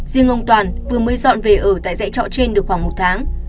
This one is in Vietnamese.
riêng ông toàn vừa mới dọn về ở tại dạy trọ trên được khoảng một tháng